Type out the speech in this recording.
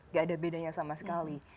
gak ada bedanya sama sekali